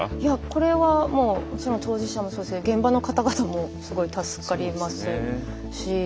これはもうもちろん当事者もそうですし現場の方々もすごい助かりますし。